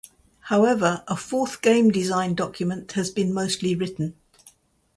However, a fourth game design document has been mostly written.